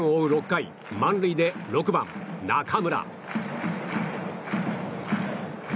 ６回満塁で６番、中村。